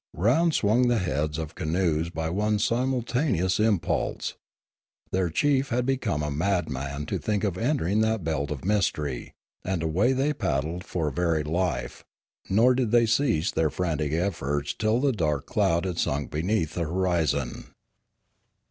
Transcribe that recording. Round swung the heads of the canoes by one simultaneous impulse. Their chief had become a madman to think of entering that belt of mystery; and away they paddled for very life; nor did they cease their frantic efforts till the dark cloud had sunk beneath the horizon.